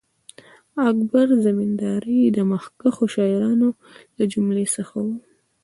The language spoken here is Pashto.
اکبر زمینداوری د مخکښو شاعرانو له جملې څخه وو.